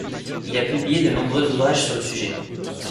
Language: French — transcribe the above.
Il a publié de nombreux ouvrages sur le sujet.